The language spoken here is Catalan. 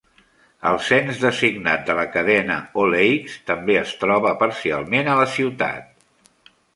El cens-designat de la cadena O'Lakes també es troba parcialment a la ciutat.